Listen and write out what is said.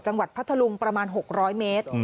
จังหวัดพัทธรุงประมาณ๖๐๐เมตร